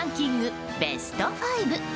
ベスト５。